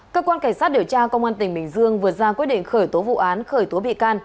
cơ quan cảnh sát điều tra công an tỉnh bình dương vừa ra quyết định khởi tố vụ án khởi tố bị can